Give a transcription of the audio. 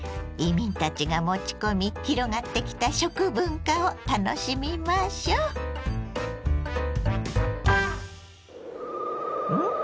移民たちが持ち込み広がってきた食文化を楽しみましょう。